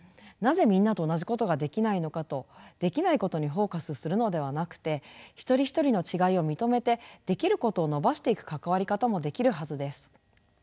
なぜみんなと同じことができないのかとできないことにフォーカスするのではなくて一人一人の違いを認めてできることを伸ばしていく関わり方もできるはずです。